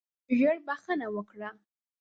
ژر بخښنه وکړه.